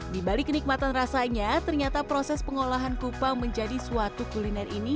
di balik kenikmatan rasanya ternyata proses pengolahan kupang menjadi suatu kuliner ini